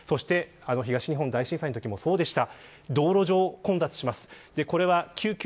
東日本大震災のときもそうでした。